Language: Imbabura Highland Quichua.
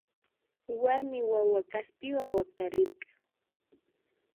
Warmi wawa kaspiwa waktarirka